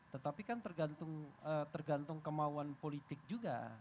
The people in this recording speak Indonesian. tetapi kan tergantung kemauan politik juga